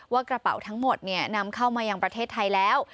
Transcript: กระเป๋าทั้งหมดนำเข้ามายังประเทศไทยแล้ว